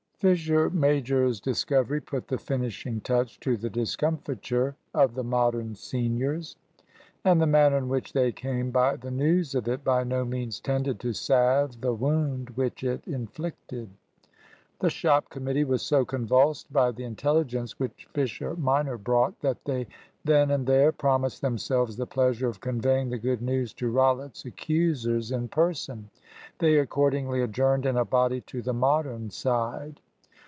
Fisher major's discovery put the finishing touch to the discomfiture of the Modern seniors. And the manner in which they came by the news of it by no means tended to salve the wound which it inflicted. The shop committee was so convulsed by the intelligence which Fisher minor brought, that they then and there promised themselves the pleasure of conveying the good news to Rollitt's accusers in person. They accordingly adjourned in a body to the Modern side.